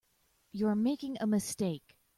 You are making a mistake.